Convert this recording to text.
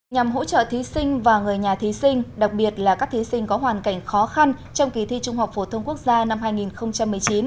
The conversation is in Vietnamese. nhằm hỗ trợ thí sinh và người nhà thí sinh đặc biệt là các thí sinh có hoàn cảnh khó khăn trong kỳ thi trung học phổ thông quốc gia năm hai nghìn một mươi chín